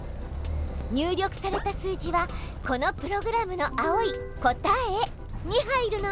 入力された数字はこのプログラムの青い「答え」に入るの。